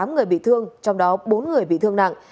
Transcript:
một mươi tám người bị thương trong đó bốn người bị thương nặng